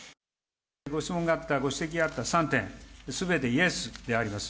ご質問があった、ご指摘があった３点、すべてイエスであります。